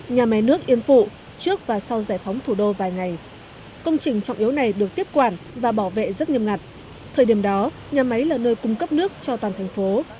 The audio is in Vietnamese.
nhà máy nước yên phụ trước và sau giải phóng thủ đô vài ngày công trình trọng yếu này được tiếp quản và bảo vệ rất nghiêm ngặt thời điểm đó nhà máy là nơi cung cấp nước cho toàn thành phố